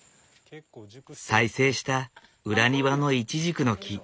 再生した裏庭のイチジクの木。